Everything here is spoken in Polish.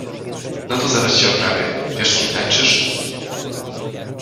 No to zaraz cię oprawię. Wiesz z kim tańczysz?